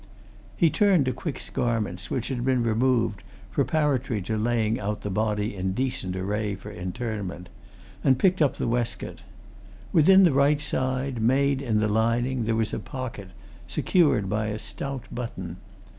He turned to Quick's garments, which had been removed, preparatory to laying out the body in decent array for interment, and picked up the waistcoat. Within the right side, made in the lining, there was a pocket, secured by a stout button.